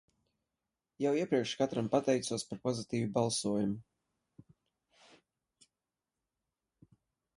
Jau iepriekš katram pateicos par pozitīvu balsojumu!